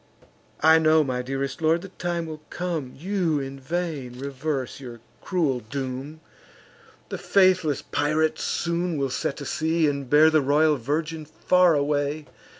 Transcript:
I know, my dearest lord, the time will come, You'd in vain, reverse your cruel doom; The faithless pirate soon will set to sea, And bear the royal virgin far away!